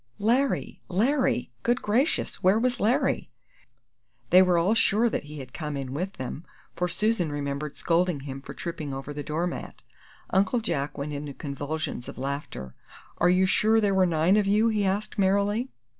"Larry! Larry!" Good Gracious, where was Larry? They were all sure that he had come in with them, for Susan remembered scolding him for tripping over the door mat. Uncle Jack went into convulsions of laughter. "Are you sure there were nine of you?" he asked, merrily.